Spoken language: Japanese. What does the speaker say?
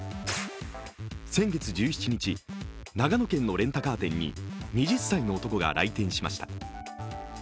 先月１７日、長野県のレンタカー店に２０歳の男が来店しました。